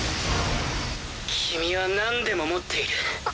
君はなんでも持っている。